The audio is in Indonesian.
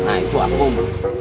nah itu akum